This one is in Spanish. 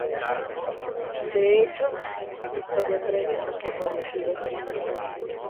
De hecho, su historia previa tampoco había sido sencilla.